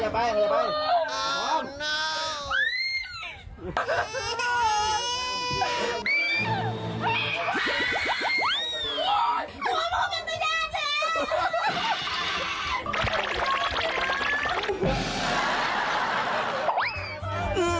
พลวงจริง